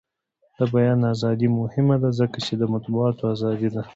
د بیان ازادي مهمه ده ځکه چې د مطبوعاتو ازادي ده.